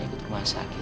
ikut ke rumah sakit